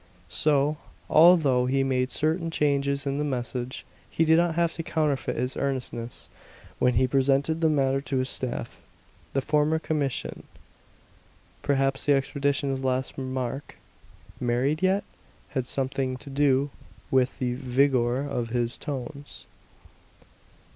So, although he made certain changes in the message, he did not have to counterfeit his earnestness when he presented the matter to his staff, the former commission. Perhaps the expedition's last remark, "Married yet?" had something to do with the vigor of his tones.